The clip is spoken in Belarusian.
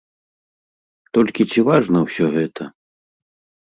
Толькі ці важна ўсё гэта?